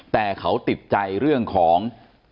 แต่เขาติดใจเรื่องของ